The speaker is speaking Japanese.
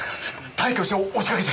大挙して押しかけて。